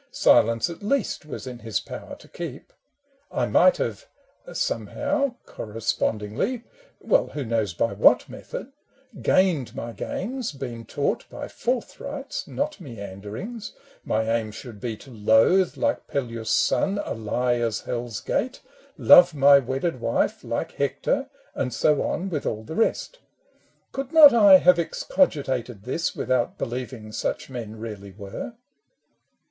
Silence at least was in his power to keep : I might have— somehow — correspondingly — Well, who knows by what method, gained my gains, Been taught, by forthrights not meanderings, My aim should be to loathe, like Peleus' son, A lie as Hell's Gate, love my wedded wife. Like Hector, and so on with all the rest. Could not I have excogitated this Without believing such men really were